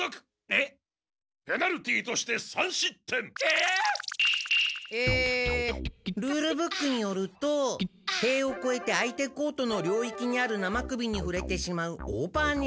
えっ！えルールブックによると塀をこえて相手コートの領域にある生首にふれてしまうオーバーネット。